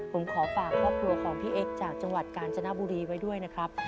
ผมขอฝากครอบครัวของพี่เอ็กซ์จากจังหวัดกาญจนบุรีไว้ด้วยนะครับ